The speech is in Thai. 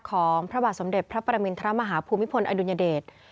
ของพระบาทสมเด็จพระปรมินทรมาฮาภูมิพลอดุญเดช